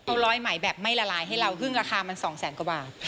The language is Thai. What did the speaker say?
เอาร้อยไหมแบบไม่ละลายให้เราเพิ่งราคามัน๒แสนกว่าบาท